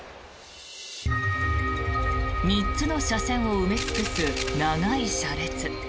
３つの車線を埋め尽くす長い車列。